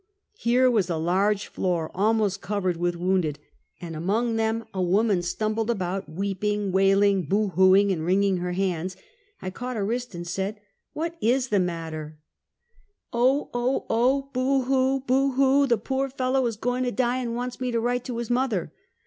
Here was a large floor almost covered with wounded, and among them a woman stumbled about weeping, wailing, boo hooing and vn*inging her hands; I caught her wrist, and said: " What is the matter?" 334: Half a Century. "Oh! oh! oh! Boo hoo! boo hoo! the poor fellow is goin' to die an' wants me to write to his mother."